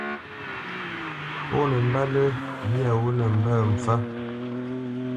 Pó nə mbə́ lə́ myâ wǒ nə mbə́ mpfə́.